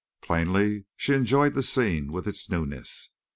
Plainly she enjoyed the scene with its newness.